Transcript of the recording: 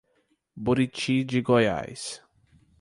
Buriti de Goiás